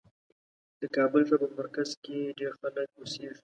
د کابل ښار په مرکز کې ډېر خلک اوسېږي.